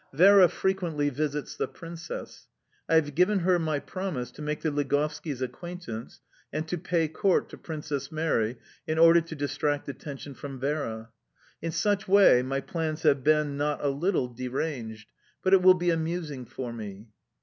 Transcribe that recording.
Vera frequently visits the Princess. I have given her my promise to make the Ligovskis' acquaintance, and to pay court to Princess Mary in order to distract attention from Vera. In such way, my plans have been not a little deranged, but it will be amusing for me...